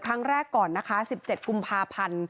ครั้งแรกก่อนนะคะ๑๗กุมภาพันธ์